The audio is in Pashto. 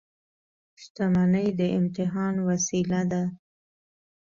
• شتمني د امتحان وسیله ده.